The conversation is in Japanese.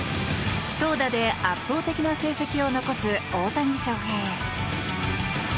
投打で圧倒的な成績を残す大谷翔平。